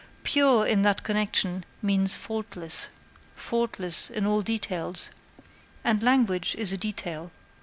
Pure, in that connection, means faultless faultless in all details and language is a detail.